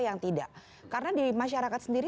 yang tidak karena di masyarakat sendiri